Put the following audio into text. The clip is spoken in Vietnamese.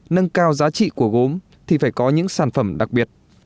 nâng cao giá trị của gốm thì phải có những sản phẩm đặc biệt